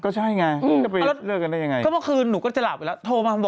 แล้วก็คือหนูก็จะหลับไปใช่ไหม